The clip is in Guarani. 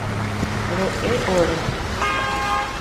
Ro'e ore.